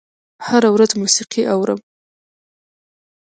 هره ورځ موسیقي اورم